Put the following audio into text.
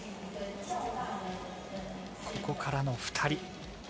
ここからの２人。